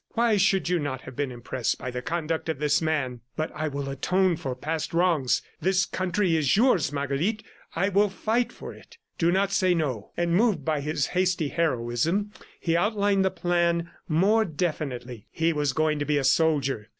Why should you not have been impressed by the conduct of this man! ... But I will atone for past wrongs. This country is yours, Marguerite; I will fight for it. Do not say no. ..." And moved by his hasty heroism, he outlined the plan more definitely. He was going to be a soldier.